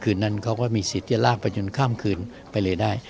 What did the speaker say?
เขาก็มีสิทธิ์ที่จะลากไปจนข้ามคืนไปเลยได้